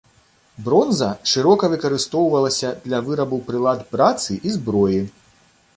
Бронза шырока выкарыстоўвалася для вырабу прылад працы і зброі.